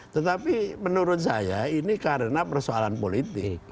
tetapi menurut saya ini karena persoalan politik